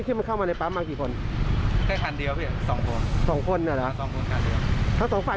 ก็เล่าให้ฟังว่าตอนที่กำลังขับรถกู้ภัย